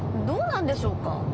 どうなんでしょうか？